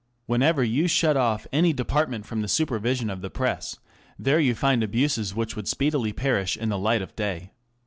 Whenever you shut off any department from the supervision of the Press, there you find abuses which would speedily perish in the light of day.